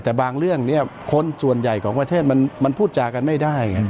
แต่บางเรื่องเนี่ยคนส่วนใหญ่ของประเทศมันพูดจากันไม่ได้ไง